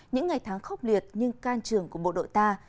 những ngày tháng khốc liệt nhưng can trường của bộ đội ta